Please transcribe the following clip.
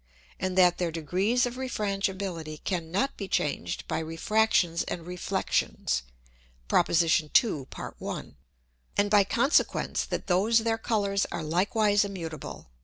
and that their degrees of Refrangibility cannot be changed by Refractions and Reflexions (Prop. 2. Part 1.) and by consequence that those their Colours are likewise immutable.